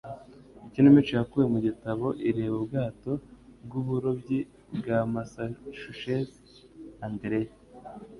Ikinamico yakuwe mu gitabo ireba ubwato bw’uburobyi bwa Massachusetts Andrea